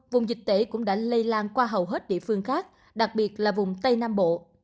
vùng dịch tễ cũng đã lây lan qua hầu hết địa phương khác đặc biệt là vùng tây nam bộ